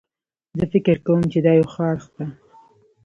زه فکر کوم چې دا یو ښه اړخ ده